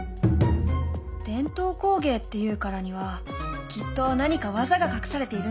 伝統工芸っていうからにはきっと何か技が隠されているんだよ。